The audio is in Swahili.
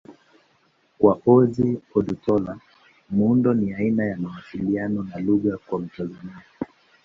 Kwa Ojih Odutola, muundo ni aina ya mawasiliano na lugha kwa mtazamaji.